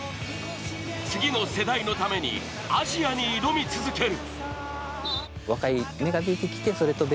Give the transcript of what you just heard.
次の世代のためにアジアに挑み続ける。